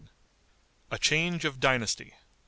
A CHANGE OF DYNASTY.